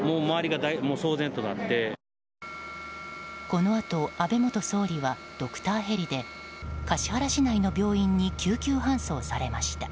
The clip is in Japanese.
この後、安倍元総理はドクターヘリで橿原市内の病院に救急搬送されました。